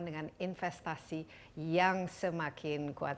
dengan investasi yang semakin kuat